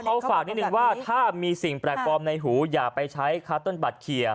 เขาฝากนิดนึงว่าถ้ามีสิ่งแปลกปลอมในหูอย่าไปใช้คาร์เติ้ลบัตรเคลียร์